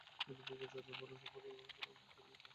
চাচা, অপহরণ অপহরণ খেলে অনেক মজা পেয়েছি।